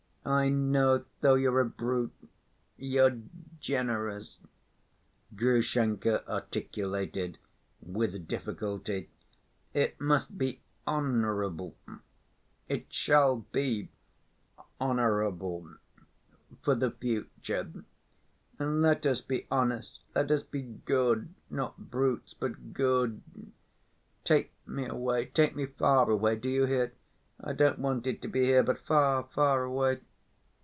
"I know, though you're a brute, you're generous," Grushenka articulated with difficulty. "It must be honorable ... it shall be honorable for the future ... and let us be honest, let us be good, not brutes, but good ... take me away, take me far away, do you hear? I don't want it to be here, but far, far away...."